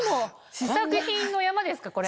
試作品の山ですかこれ。